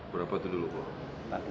berapa tuh dulu pak